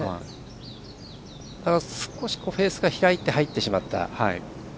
少し、フェースが開いて入ってしまった。